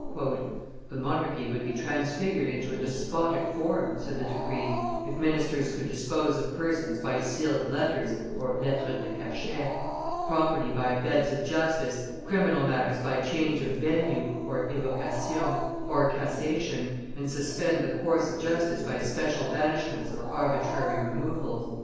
"The monarchy would be transfigured into a despotic form," said the decree, "if ministers could dispose of persons by sealed letters (lettres de cachet), property by beds of justice, criminal matters by change of venue (evocation) or cassation, and suspend the course of justice by special banishments or arbitrary removals."